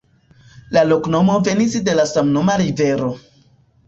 La loknomo venis de la samnoma rivero.